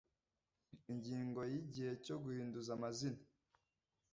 ingingo ya igihe cyo guhinduza amazina